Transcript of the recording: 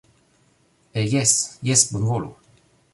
Eh jes, jes bonvolu